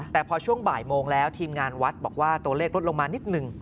แต่พอช่วงบ่ายโมงแล้วทีมงานวัดบอกว่าตัวเลขลดลงมานิดหนึ่ง